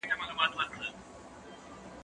زه اوس کتابونه وړم